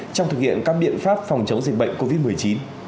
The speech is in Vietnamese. trong thực hiện các biện pháp phòng chống dịch bệnh covid một mươi chín